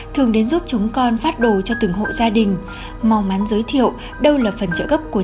thường đến giúp chúng con phát đồ cho từng hộ gia đình mong mắn giới thiệu đâu là phần trợ gấp